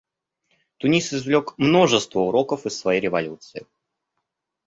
Тунис извлек множество уроков из своей революции.